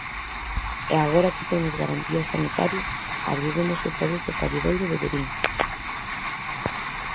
E agora que temos garantías sanitarias, abriremos outra vez o paridoiro de Verín.